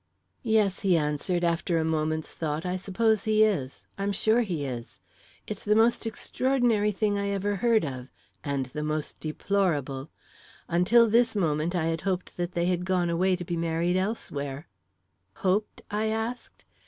"Yes," he answered, after a moment's thought, "I suppose he is I'm sure he is. It's the most extraordinary thing I ever heard of and the most deplorable. Until this moment, I had hoped that they had gone away to be married elsewhere." "Hoped?" I asked.